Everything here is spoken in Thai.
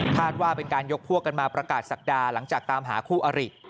ว่าเป็นการยกพวกกันมาประกาศศักดาหลังจากตามหาคู่อริ